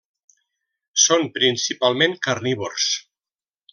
Són principalment carnívors.